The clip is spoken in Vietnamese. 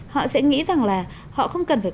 họ sẽ nghĩ rằng là họ không cần phải